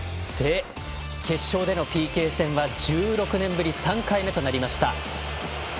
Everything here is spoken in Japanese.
決勝でのＰＫ戦は１６年ぶり３回目となりました。